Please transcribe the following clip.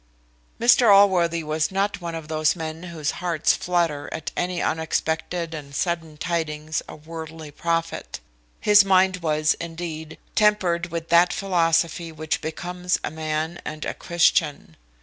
Mr Allworthy was not one of those men whose hearts flutter at any unexpected and sudden tidings of worldly profit. His mind was, indeed, tempered with that philosophy which becomes a man and a Christian.